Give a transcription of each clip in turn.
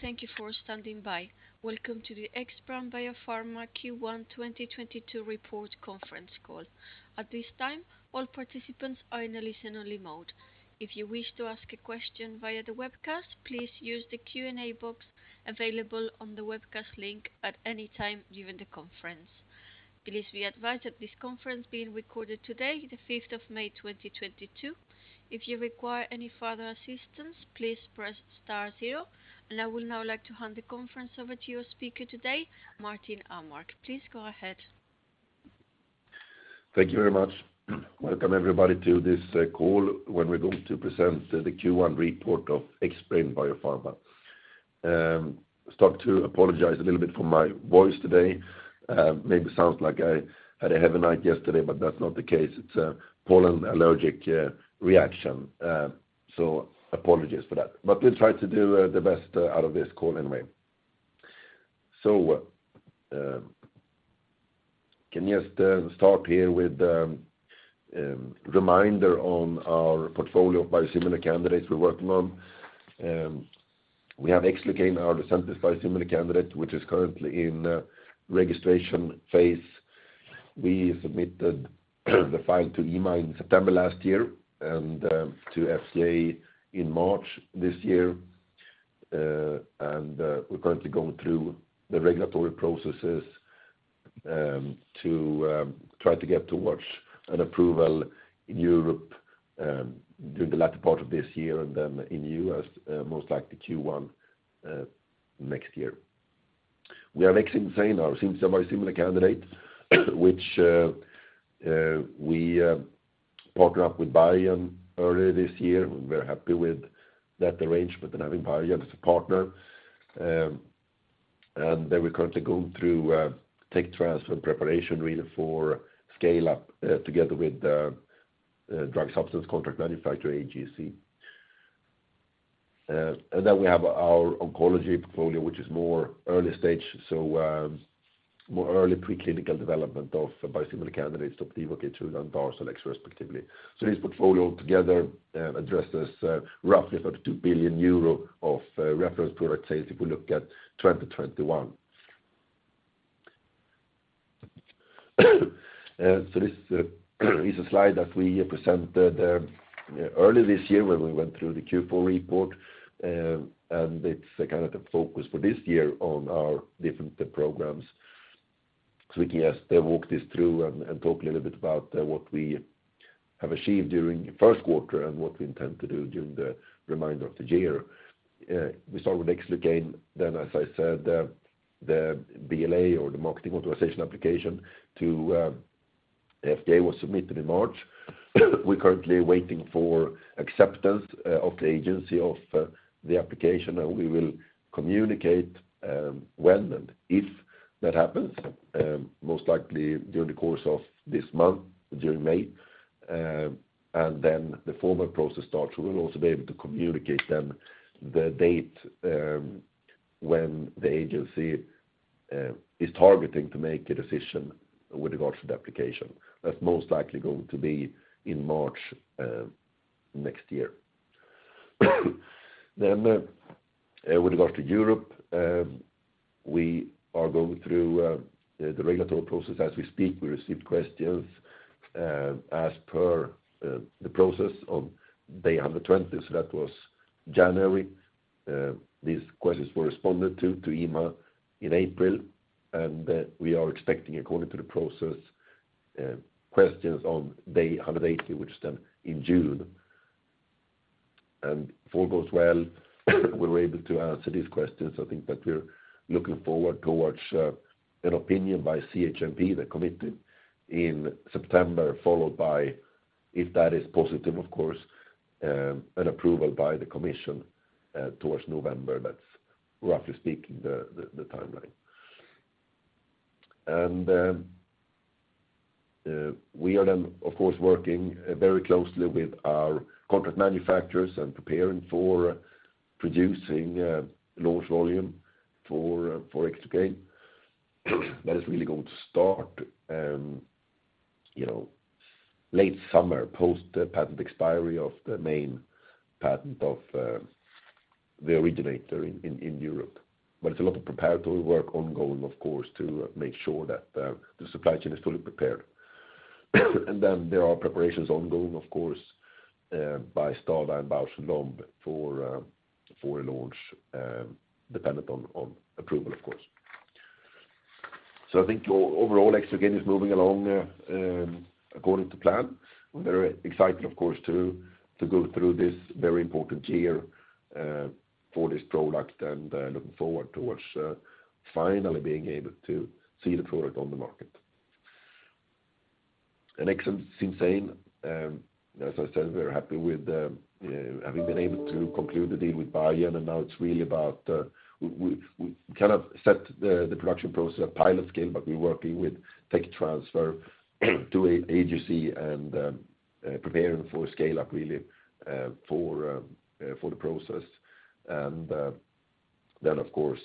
Thank you for standing by. Welcome to the Xbrane Biopharma Q1 2022 report conference call. At this time, all participants are in a listen-only mode. If you wish to ask a question via the webcast, please use the Q&A box available on the webcast link at any time during the conference. Please be advised that this conference is being recorded today, the fifth of May 2022. If you require any further assistance, please press star zero. I would now like to hand the conference over to your speaker today, Martin Åmark. Please go ahead. Thank you very much. Welcome everybody to this call where we're going to present the Q1 report of Xbrane Biopharma. Start to apologize a little bit for my voice today. Maybe sounds like I had a heavy night yesterday, but that's not the case. It's a pollen allergic reaction. Apologies for that. We'll try to do the best out of this call anyway. Can just start here with reminder on our portfolio biosimilar candidates we're working on. We have Ximluci, our Lucentis biosimilar candidate, which is currently in registration phase. We submitted the file to EMA in September last year and to FDA in March this year. We're currently going through the regulatory processes to try to get towards an approval in Europe during the latter part of this year and then in U.S., most likely Q1 next year. We have Xcimzane, our biosimilar candidate which we partner up with Biogen earlier this year. We're happy with that arrangement and having Biogen as a partner. We're currently going through tech transfer and preparation really for scale up together with drug substance contract manufacturer AGC. We have our oncology portfolio, which is more early stage. More early pre-clinical development of biosimilar candidates, Opdivo and Darzalex respectively. This portfolio together addresses roughly 32 billion euro of reference product sales if we look at 2021. This is a slide that we presented early this year when we went through the Q4 report. It's kind of the focus for this year on our different programs. We can just walk this through and talk a little bit about what we have achieved during the first quarter and what we intend to do during the remainder of the year. We start with Xlucane then as I said, the BLA or the marketing authorization application to FDA was submitted in March. We're currently waiting for acceptance by the agency of the application, and we will communicate when and if that happens, most likely during the course of this month, during May. The formal process starts. We will also be able to communicate then the date when the agency is targeting to make a decision with regards to the application. That's most likely going to be in March next year. With regards to Europe, we are going through the regulatory process as we speak. We received questions as per the process on day 120. That was January. These questions were responded to EMA in April. We are expecting according to the process questions on day 180, which is then in June. If all goes well, we're able to answer these questions. I think that we're looking forward towards an opinion by CHMP, the committee in September, followed by, if that is positive, of course, an approval by the commission towards November. That's roughly speaking the timeline. We are then of course working very closely with our contract manufacturers and preparing for producing large volume for Ximluci. That is really going to start you know late summer post patent expiry of the main patent of the originator in Europe. It's a lot of preparatory work ongoing of course to make sure that the supply chain is fully prepared. Then there are preparations ongoing of course by STADA and Bausch + Lomb for a launch dependent on approval of course. I think overall Ximluci is moving along according to plan. We're very excited, of course to go through this very important year for this product and looking forward toward finally being able to see the product on the market. Xcimzane, as I said, we're happy with having been able to conclude the deal with Biogen, and now it's really about we kind of set the production process pilot scale, but we're working with tech transfer to an agency and preparing for scale up really for the process. Of course,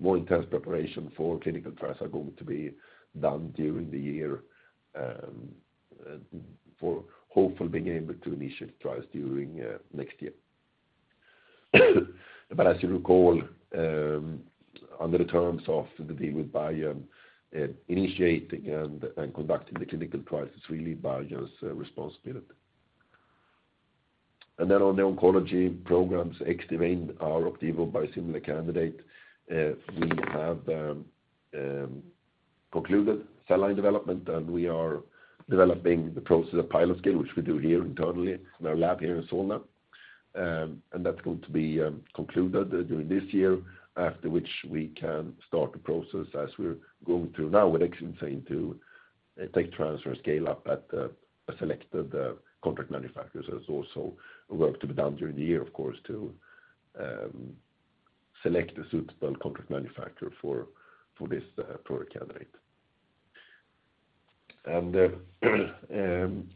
more intense preparation for clinical trials are going to be done during the year and hopefully being able to initiate trials during next year. As you recall, under the terms of the deal with Biogen, initiating and conducting the clinical trials is really Biogen's responsibility. On the oncology programs, Xdivane, our Opdivo biosimilar candidate, we have concluded cell line development, and we are developing the process at pilot scale, which we do here internally in our lab here in Solna. That's going to be concluded during this year, after which we can start the process as we're going through now with Xcimzane to tech transfer and scale up at a selected contract manufacturer. It's also work to be done during the year, of course, to select a suitable contract manufacturer for this product candidate.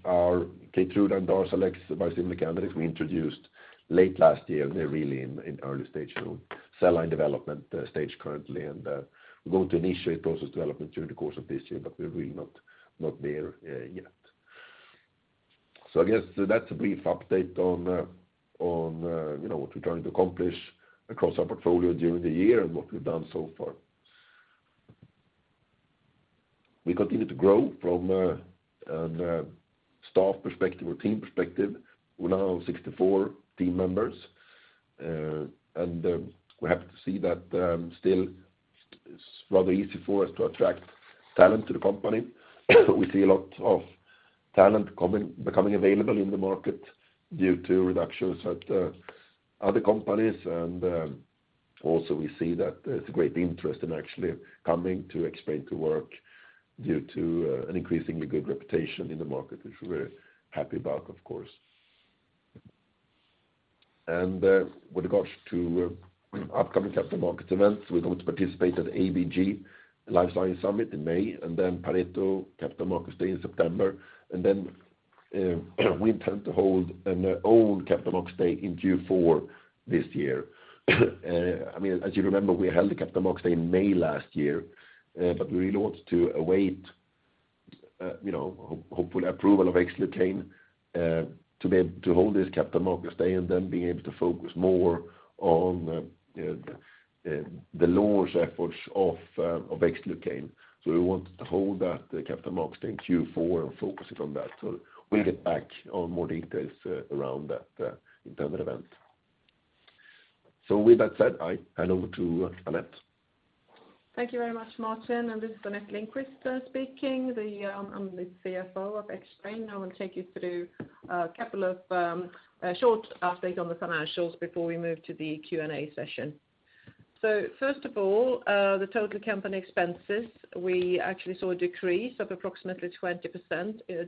Our Keytruda and Darzalex biosimilar candidates we introduced late last year, and they're really in early stage. Cell line development stage currently, and we're going to initiate process development during the course of this year, but we're really not there yet. I guess that's a brief update on you know what we're trying to accomplish across our portfolio during the year and what we've done so far. We continue to grow from a staff perspective or team perspective. We're now 64 team members. And we're happy to see that still it's rather easy for us to attract talent to the company. We see a lot of talent coming becoming available in the market due to reductions at other companies. Also we see that there's great interest in actually coming to Xbrane to work due to an increasingly good reputation in the market, which we're happy about, of course. With regards to upcoming capital markets events, we're going to participate at ABG Life Science Summit in May and then Pareto Capital Markets Day in September. We intend to hold our own capital markets day in Q4 this year. I mean, as you remember, we held a capital markets day in May last year, but we really wanted to await, you know, hopefully approval of Ximluci, to be able to hold this capital markets day and then being able to focus more on the launch efforts of Ximluci. We wanted to hold that capital markets day in Q4 and focus it on that. We'll get back on more details, around that, internal event. With that said, I hand over to Anette. Thank you very much, Martin. This is Anette Lindqvist speaking. I'm the CFO of Xbrane. I will take you through a couple of short updates on the financials before we move to the Q&A session. First of all, the total company expenses, we actually saw a decrease of approximately 20%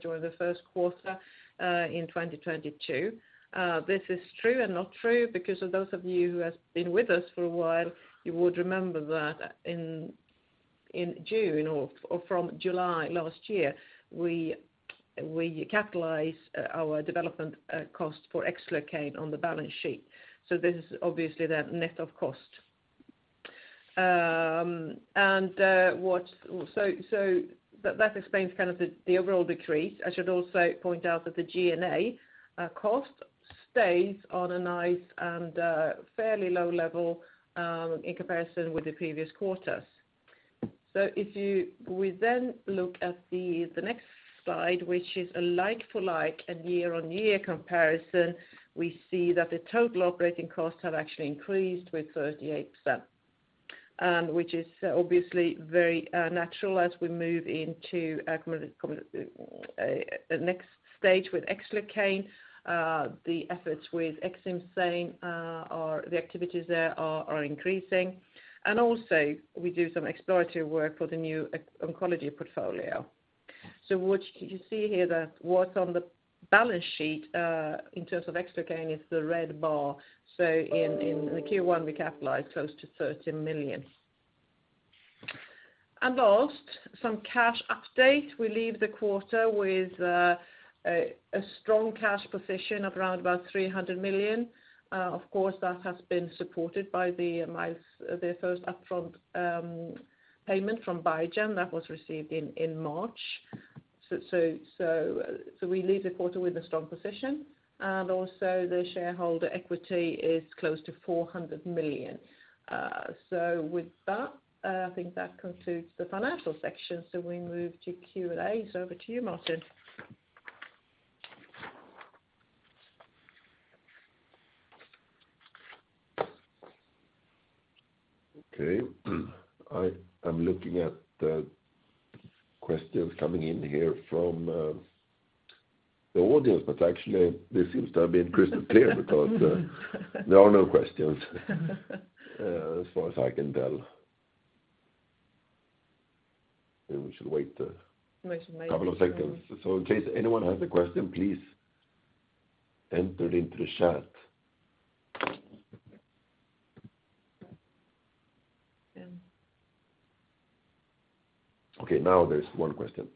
during the first quarter in 2022. This is true and not true because those of you who have been with us for a while, you would remember that in June or from July last year, we capitalized our development cost for Xlucane on the balance sheet. This is obviously the net of cost. That explains kind of the overall decrease. I should also point out that the G&A cost stays on a nice and fairly low level in comparison with the previous quarters. We then look at the next slide, which is a like-for-like and year-on-year comparison. We see that the total operating costs have actually increased with 38%, which is obviously very natural as we move into the next stage with Ximluci. The efforts with Xcimzane are the activities there are increasing. We also do some exploratory work for the new immuno-oncology portfolio. What you see here that what's on the balance sheet in terms of Ximluci is the red bar. In the Q1 we capitalized close to 30 million. Lastly, some cash update. We leave the quarter with a strong cash position of around 300 million. Of course, that has been supported by the first upfront payment from Biogen that was received in March. We leave the quarter with a strong position, and also the shareholder equity is close to 400 million. With that, I think that concludes the financial section. We move to Q&A. Over to you, Martin. Okay. I am looking at the questions coming in here from the audience, but actually this seems to have been crystal clear because there are no questions as far as I can tell. Maybe we should wait a- We should maybe- Couple of seconds. In case anyone has a question, please enter it into the chat. Yeah. Okay, now there's one question.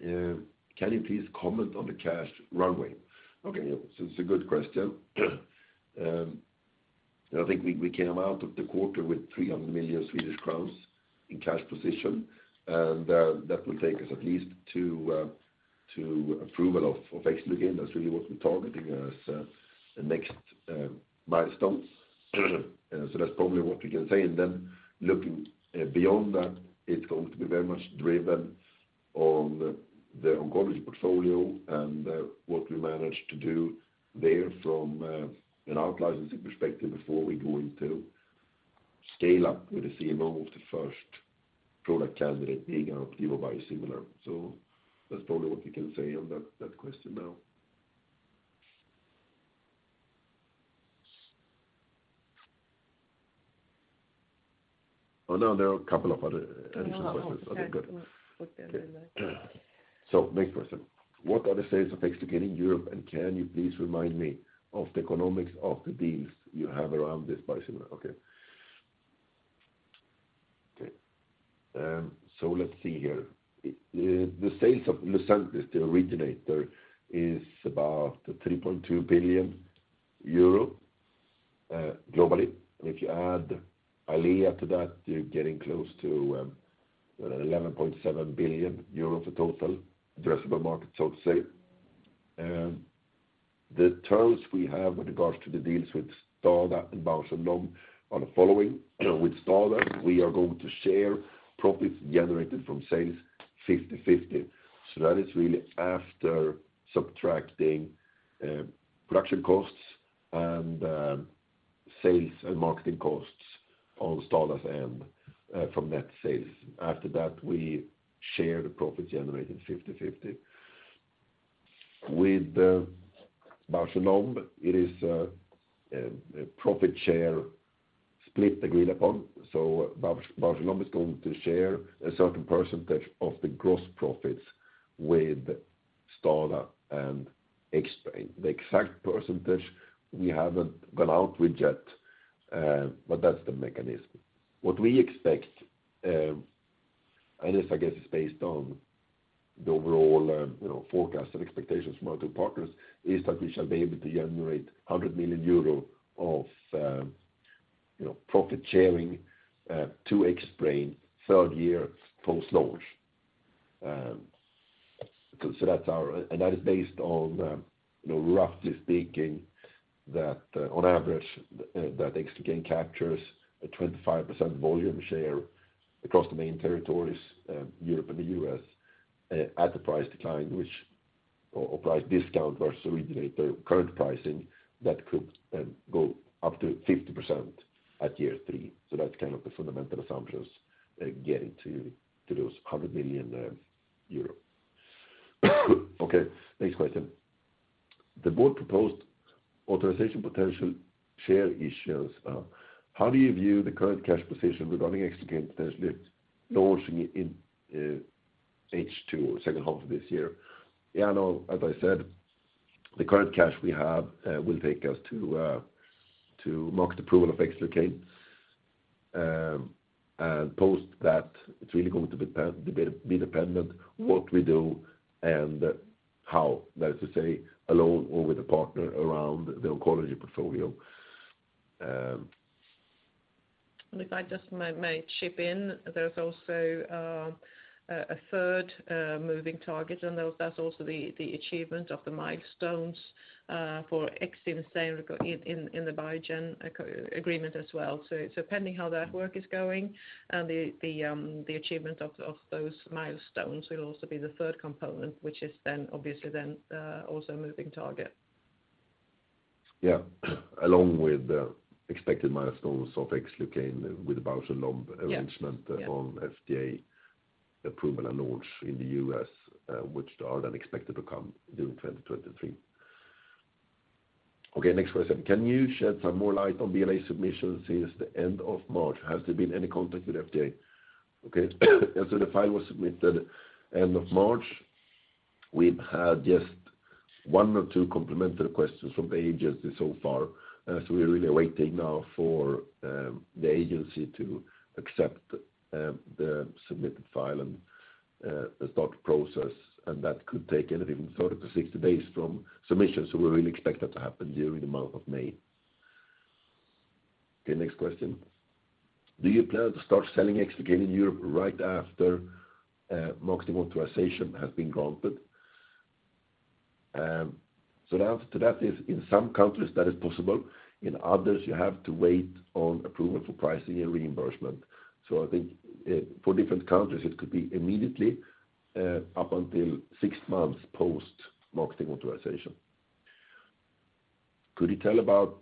Can you please comment on the cash runway? Okay, yeah. It's a good question. I think we came out of the quarter with 300 million Swedish crowns in cash position. That will take us at least to approval of Ximluci. That's really what we're targeting as the next milestones. That's probably what we can say. Looking beyond that, it's going to be very much driven on the oncology portfolio and what we manage to do there from an out-licensing perspective before we go into scale up with a CMO of the first product candidate being our GLP-1 biosimilar. That's probably what we can say on that question now. Oh, no, there are a couple of other additional questions. No, okay. Okay, good. We'll put the other there. Next question. What are the sales of Ximluci in Europe, and can you please remind me of the economics of the deals you have around this biosimilar? The sales of Lucentis, the originator, is about 3.2 billion euro globally. If you add Eylea to that, you're getting close to 11.7 billion euros of total addressable market, so to say. The terms we have with regards to the deals with Stada and Boehringer Ingelheim are the following. With Stada, we are going to share profits generated from sales 50/50. That is really after subtracting production costs and sales and marketing costs on Stada's end from net sales. After that, we share the profit generated 50/50. With Boehringer Ingelheim, it is a profit share split agreed upon. Boehringer Ingelheim is going to share a certain percentage of the gross profits with Stada and Xbrane. The exact percentage we haven't gone out with yet, but that's the mechanism. What we expect, this, I guess, is based on the overall, you know, forecast and expectations from our two partners, is that we shall be able to generate 100 million euro of, you know, profit sharing to Xbrane third year post-launch. That's our. That is based on, you know, roughly speaking that on average that Ximluci captures a 25% volume share across the main territories, Europe and the US, at the price discount versus originator current pricing that could go up to 50% at year three. That's kind of the fundamental assumptions getting to those 100 million euro. Okay, next question. The board proposed authorization potential share issues. How do you view the current cash position regarding Ximluci potentially launching in H2 or second half of this year? Yeah, no, as I said, the current cash we have will take us to market approval of Ximluci. Post that, it's really going to be TBD-dependent what we do and how, that is to say, alone or with a partner around the oncology portfolio. If I just may chip in, there's also a third moving target, and that's the achievement of the milestones for Xdivane in the Biogen agreement as well. Pending how that work is going and the achievement of those milestones will also be the third component, which is then obviously also a moving target. Yeah. Along with the expected milestones of Ximluci with Boehringer Ingelheim. Yeah. Arrangement on FDA approval and launch in the U.S., which are then expected to come during 2023. Okay, next question. Can you shed some more light on BLA submissions since the end of March? Has there been any contact with FDA? Okay. The file was submitted end of March. We've had just one or two clarifying questions from the agency so far. We're really waiting now for the agency to accept the submitted file and start the process, and that could take anything from 30 to 60 days from submission. We really expect that to happen during the month of May. Okay, next question. Do you plan to start selling Ximluci in Europe right after marketing authorization has been granted? The answer to that is in some countries that is possible. In others, you have to wait on approval for pricing and reimbursement. I think, for different countries, it could be immediately, up until six months post-marketing authorization. Could you tell about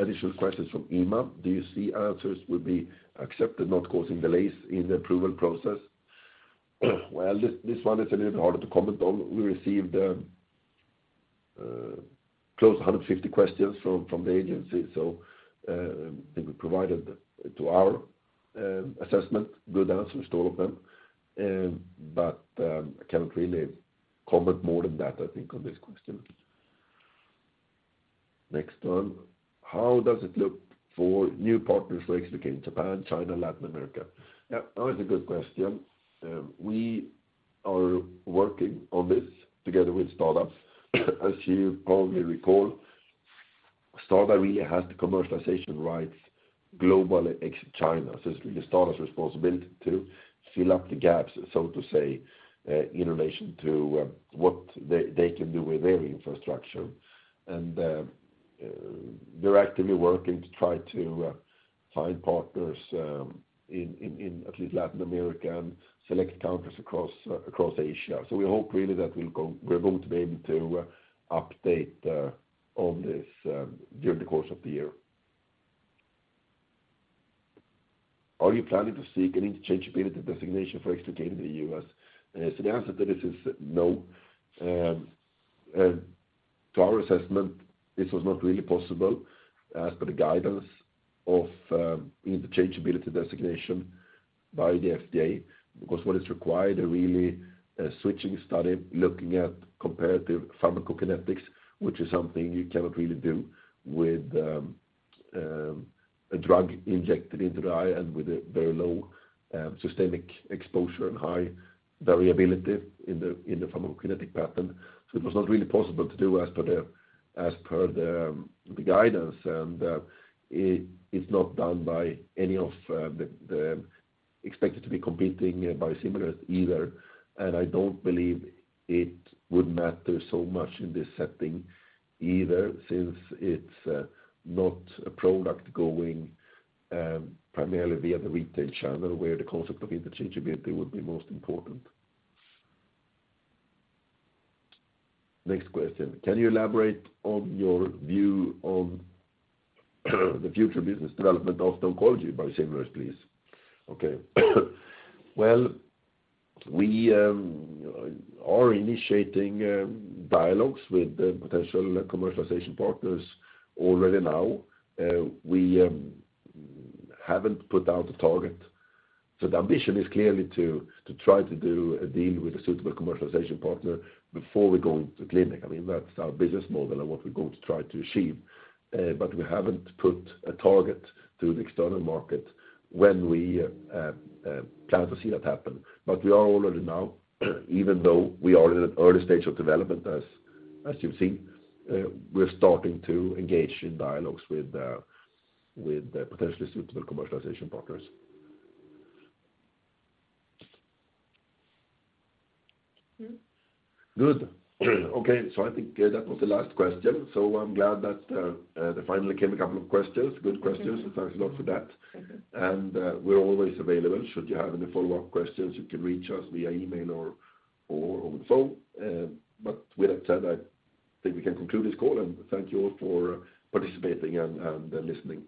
additional questions from EMA? Do you see answers will be accepted, not causing delays in the approval process? Well, this one is a little bit harder to comment on. We received close to 150 questions from the agency. I think we provided to our assessment good answers to all of them. But I cannot really comment more than that, I think, on this question. Next one. How does it look for new partners for Ximluci in Japan, China, Latin America? Yeah, that is a good question. We are working on this together with startups. As you probably recall, Stada really has the commercialization rights globally ex-China. It's really Stada's responsibility to fill up the gaps, so to say, in relation to what they can do with their infrastructure. They're actively working to try to find partners in at least Latin America and select countries across Asia. We hope really that we're going to be able to update on this during the course of the year. Are you planning to seek an interchangeability designation for Exkadin in the U.S.? The answer to this is no. To our assessment, this was not really possible as per the guidance of interchangeability designation by the FDA. Because what is required are really a switching study looking at comparative pharmacokinetics, which is something you cannot really do with a drug injected into the eye and with a very low systemic exposure and high variability in the pharmacokinetic pattern. It was not really possible to do as per the guidance. It is not done by any of the expected to be competing biosimilars either. I don't believe it would matter so much in this setting either, since it's not a product going primarily via the retail channel where the concept of interchangeability would be most important. Next question. Can you elaborate on your view on the future business development of oncology biosimilars, please? Okay. Well, we are initiating dialogues with potential commercialization partners already now. We haven't put out a target. The ambition is clearly to try to do a deal with a suitable commercialization partner before we go to the clinic. I mean, that's our business model and what we're going to try to achieve. We haven't put a target to the external market when we plan to see that happen. We are already now, even though we are in an early stage of development as you've seen, we're starting to engage in dialogues with potentially suitable commercialization partners. Mm-hmm. Good. Okay. I think that was the last question. I'm glad that there finally came a couple of questions, good questions. Thanks a lot for that. Mm-hmm. We're always available should you have any follow-up questions. You can reach us via email or on the phone. With that said, I think we can conclude this call and thank you all for participating and listening.